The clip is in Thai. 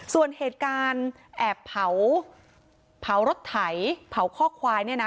ส่วนเหตุการณ์แอบเผารถไถเผาข้อควายเนี่ยนะ